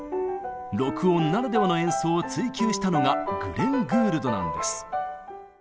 録音ならではの演奏を追求したのがグレン・グールドなんです。